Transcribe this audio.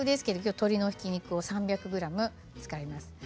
鶏ひき肉を３００ｇ使います。